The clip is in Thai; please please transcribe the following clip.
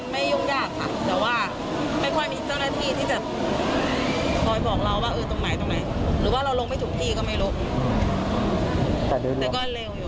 มันไม่ยุ่งยากค่ะ